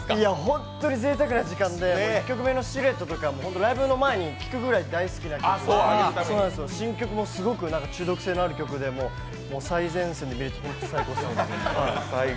ホントにぜいたくな時間で１曲目の「シルエット」とかライブの前に聴くくらい大好きな曲で新曲もすごく中毒性のある曲で、最前線で聴けてうれしかったです。